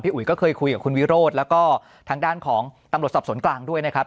อุ๋ยก็เคยคุยกับคุณวิโรธแล้วก็ทางด้านของตำรวจสอบสวนกลางด้วยนะครับ